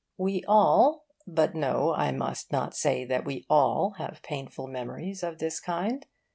We all but no, I must not say that we all have painful memories of this kind.